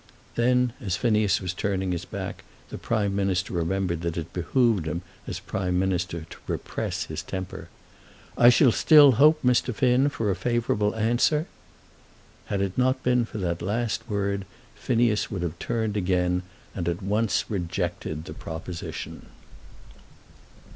Then as Phineas was turning his back, the Prime Minister remembered that it behoved him as Prime Minister to repress his temper. "I shall still hope, Mr. Finn, for a favourable answer." Had it not been for that last word Phineas would have turned again, and at once rejected the proposition.